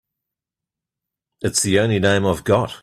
It's the only name I've got.